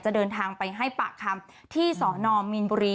เดินทางไปให้ปากคำที่สนมีนบุรี